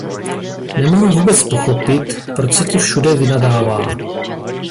Nemohu vůbec pochopit, proč se ti všude vynadává.